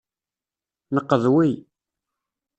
Nqedwi.